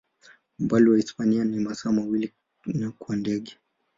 Umbali na Hispania ni masaa mawili kwa ndege.